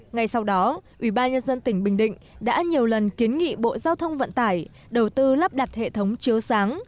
ngay sau đó ủy ban nhân dân tỉnh bình định đã nhiều lần kiến nghị bộ giao thông vận tải đầu tư lắp đặt hệ thống chiếu sáng